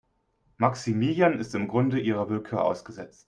Maximilian ist im Grunde ihrer Willkür ausgesetzt.